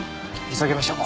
急ぎましょう。